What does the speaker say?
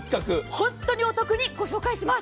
本当にお得にご紹介します。